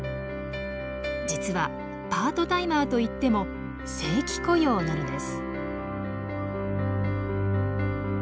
実はパートタイマーといっても正規雇用なのです。